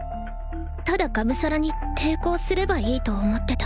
ただがむしゃらに抵抗すればいいと思ってた。